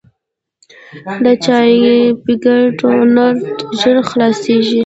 د چاپګر ټونر ژر خلاصېږي.